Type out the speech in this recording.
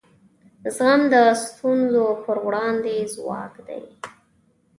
زغم د ستونزو پر وړاندې ځواک دی.